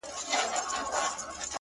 سبا چي راسي د سبــا له دره ولــوېږي،